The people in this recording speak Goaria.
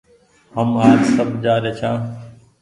هم آج سب جآري ڇآن